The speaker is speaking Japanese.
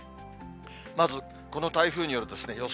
まずこの台風による予想